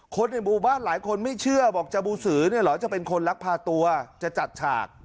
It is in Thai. คนในหมู่บ้านหลายคนไม่เชื่อบอกจบูสือเนี่ยเหรอจะเป็นคนลักพาตัวจะจัดฉาก